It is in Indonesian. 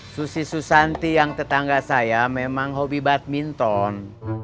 susi susanti yang tetangga saya memang hobi badminton